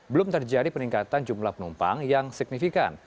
belum terjadi peningkatan jumlah penumpang yang signifikan